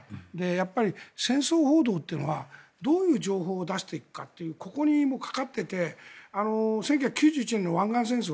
やっぱり戦争報道っていうのはどういう情報を出していくかっていうここにかかっていて１９９１年の湾岸戦争